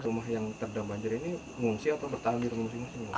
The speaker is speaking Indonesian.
rumah yang terdampak banjir ini mengungsi atau bertahan di rumah